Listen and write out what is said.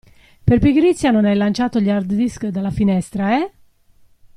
Per pigrizia non hai lanciato gli hard disk dalla finestra eh?